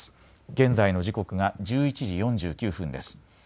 現在の時刻が１１時４９分です。